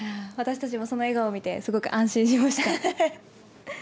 私たちもその笑顔を見てすごく安心しました。